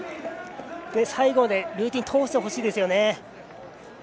最後、ルーティン通してほしいですよね。